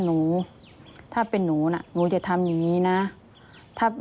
หนูถ้าเป็นหนูน่ะหนูจะทำอย่างนี้นะ